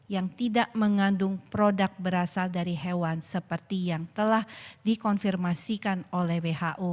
yang tidak mengandung produk berasal dari hewan seperti yang telah dikonfirmasikan oleh who